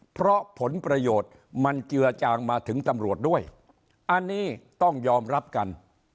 เพราะผลประโยชน์มันเจือจางมาถึงตำรวจด้วยอันนี้ต้องยอมรับกัน